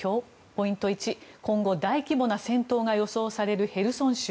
ポイント１今後、大規模な戦闘が予想されるへルソン州。